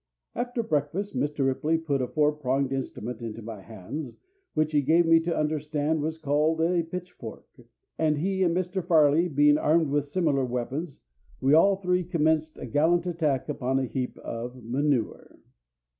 After breakfast Mr. Ripley put a four pronged instrument into my hands, which he gave me to understand was called a pitchfork, and he and Mr. Farley being armed with similar weapons, we all three commenced a gallant attack upon a heap of manure."